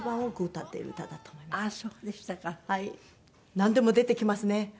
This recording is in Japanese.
なんでも出てきますね。